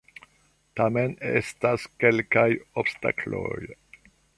Tamen estas kelkaj obstakloj!